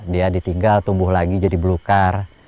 dia ditinggal tumbuh lagi jadi belukar